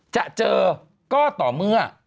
จะเจอก็ต่อเมื่อ